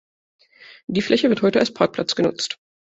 Die Fläche wird heute als Parkplatz genutzt.